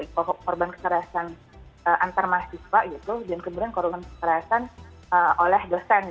korban kekerasan antar mahasiswa gitu dan kemudian korban kekerasan oleh dosen